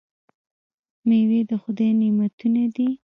میوې د خدای نعمتونه دي.